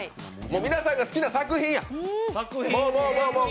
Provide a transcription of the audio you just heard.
皆さんが好きな作品や。